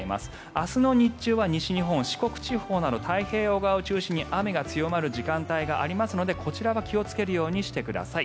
明日の日中は西日本、四国地方など太平洋側を中心に雨が強まる時間帯がありますのでこちらは気をつけるようにしてください。